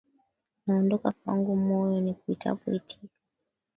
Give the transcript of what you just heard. Naondoka wangu moyo, nikuitapo itika